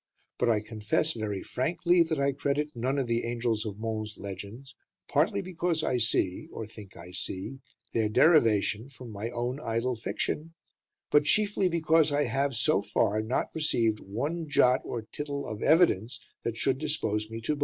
But I confess, very frankly, that I credit none of the "Angels of Mons" legends, partly because I see, or think I see, their derivation from my own idle fiction, but chiefly because I have, so far, not received one jot or tittle of evidence that should dispose me to belief.